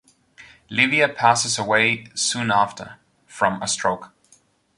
Livia passes away soon after from a stroke.